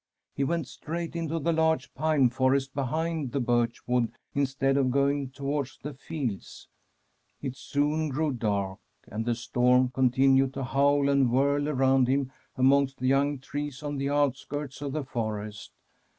He went straight into the large pine forest behind the birch wood instead of going towards the fields. It soon grew dark, and the storm continued to howl and whirl around him amongst the young trees on the outskirts of the forest.